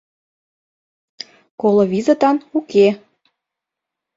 Коло визытан уке.